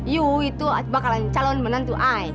yuk itu bakalan calon menantu ai